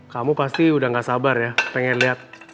kamu pasti udah gak sabar ya pengen lihat